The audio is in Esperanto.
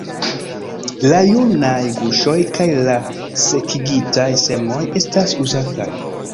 La junaj guŝoj kaj la sekigitaj semoj estas uzataj.